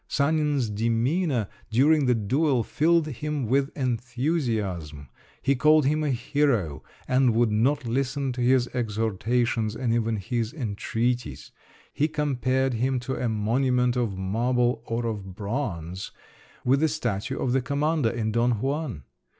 Sanin's demeanour during the duel filled him with enthusiasm. He called him a hero, and would not listen to his exhortations and even his entreaties. He compared him to a monument of marble or of bronze, with the statue of the commander in Don Juan!